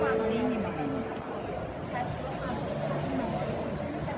มันเป็นสิ่งที่จะให้ทุกคนรู้สึกว่า